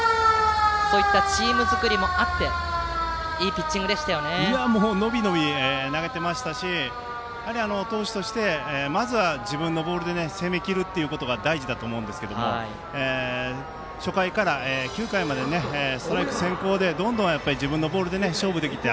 そういったチーム作りもあって伸び伸び投げていましたしやはり投手としてまずは自分のボールで攻めきることが大事だと思いますが初回から９回までストライク先行でどんどん自分のボールで勝負できた。